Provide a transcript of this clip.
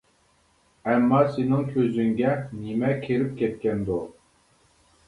ئەمما سېنىڭ كۆزۈڭگە نېمە كىرىپ كەتكەندۇ.